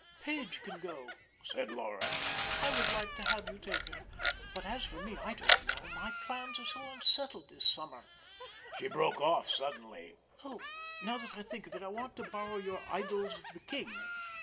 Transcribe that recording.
"Page can go," said Laura. "I would like to have you take her. But as for me, I don't know. My plans are so unsettled this summer." She broke off suddenly. "Oh, now, that I think of it, I want to borrow your 'Idylls of the King.'